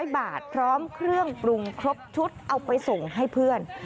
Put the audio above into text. ๐บาทพร้อมเครื่องปรุงครบชุดเอาไปส่งให้เพื่อน